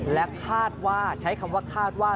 และคาดว่าใช้คำว่าคาดว่า